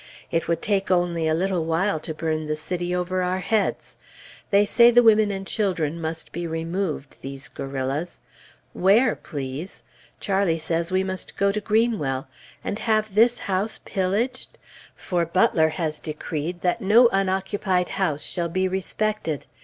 It would take only a little while to burn the city over our heads. They say the women and children must be removed, these guerrillas. Where, please? Charlie says we must go to Greenwell. And have this house pillaged? For Butler has decreed that no unoccupied house shall be respected.